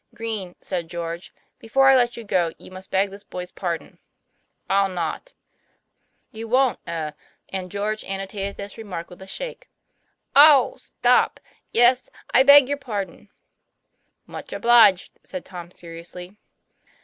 'Green," said George, "before I let you go, you must beg this boy's pardon." "I'll not." ' You wont eh ?" and George annotated this re mark with a shake. 'Ow! stop! Yes! I beg your pardon." 'Much obliged," said Tom seriously.